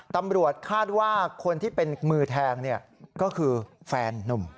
ตำรวจคาดว่าคนที่เป็นมือแทงก็คือแฟนนุ่ม